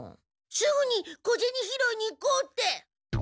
すぐに小ゼニ拾いに行こうって。